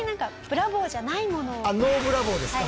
あっＮｏブラボーですか？